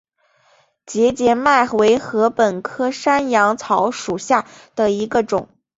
节节麦为禾本科山羊草属下的一个种。